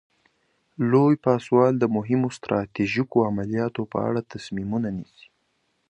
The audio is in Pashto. لوی پاسوال د مهمو ستراتیژیکو عملیاتو په اړه تصمیمونه نیسي.